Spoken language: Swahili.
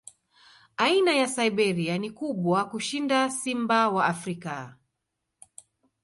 Aina ya Siberia ni kubwa kushinda simba wa Afrika.